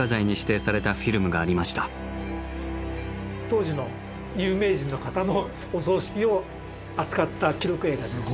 当時の有名人の方のお葬式を扱った記録映画です。